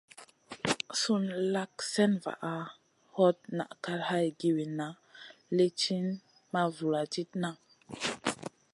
Sùn lak slèna vaʼa, hot naʼ kal hay giwinna lì ti ma vuladidna.